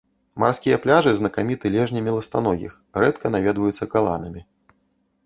Марскія пляжы знакаміты лежнямі ластаногіх, рэдка наведваюцца каланамі.